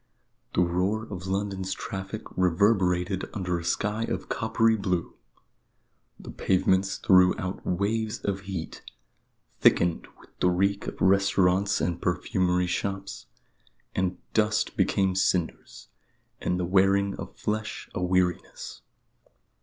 The roar of London's traffic reverberated under a sky of coppery blue; the pavements threw out waves of heat, thickened with the reek of restaurants and perfumery shops; and dust became cinders, and the wearing of flesh a weariness.